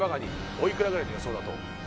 おいくらぐらいの予想だと？